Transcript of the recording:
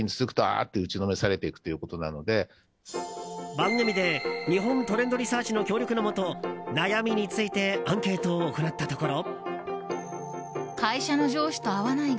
番組で日本トレンドリサーチの協力のもと悩みについてアンケートを行ったところ。